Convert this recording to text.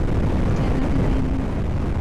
جائیدادیں قائم ہیں۔